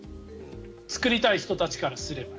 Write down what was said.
作りたい人たちからすれば。